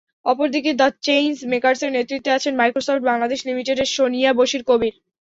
অপরদিকে the change মেকার্সের নেতৃত্বে আছেন মাইক্রোসফট বাংলাদেশ লিমিটেডের সোনিয়া বশির কবির।